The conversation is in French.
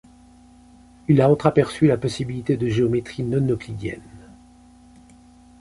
Il a entraperçu la possibilité de géométries non euclidiennes.